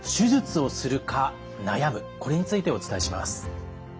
これについてお伝えします。